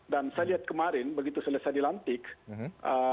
dan saya lihat kemarin begitu selesai dilantik ee